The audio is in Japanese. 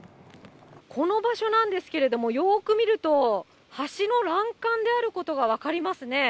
この場所なんですけれども、よく見ると、橋の欄干であることが分かりますね。